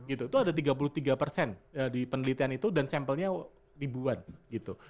itu ada tiga puluh tiga persen di penelitian itu dan sampelnya ribuan gitu